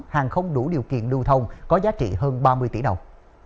hàng không đủ điều kiện lưu thông có giá trị hơn ba mươi tỷ đồng